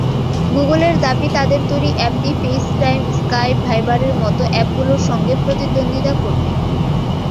গুগলের দাবি, তাদের তৈরি অ্যাপটি ফেসটাইম, স্কাইপ, ভাইবারের মতো অ্যাপগুলোর সঙ্গে প্রতিদ্বন্দ্বিতা করবে।